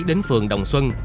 đến phường đồng xuân